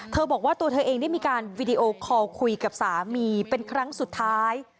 บอกว่าตัวเธอเองได้มีการวีดีโอคอลคุยกับสามีเป็นครั้งสุดท้าย